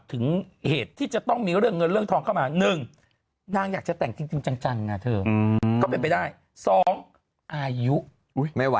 ไม่ไหวละใช่ไหม